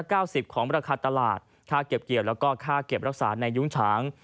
สิบของราคาตลาดค่าเก็บเกี่ยวแล้วก็ค่าเก็บรักษาในยุ้งฉาง